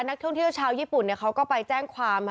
นักท่องเที่ยวชาวญี่ปุ่นเขาก็ไปแจ้งความ